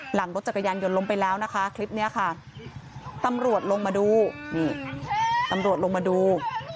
หลังรถจักรยานยนต์ล้มไปแล้วนะคะคลิปนี้ค่ะตำรวจลงมาดูนี่ตำรวจลงมาดู